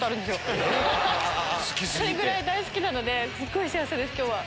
それぐらい大好きなのですっごい幸せです今日は。